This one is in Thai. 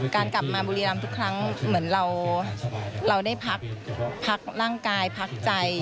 กลับมาบุรีรำทุกครั้งเหมือนเราได้พักร่างกายพักใจ